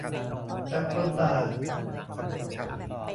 จับคนด่า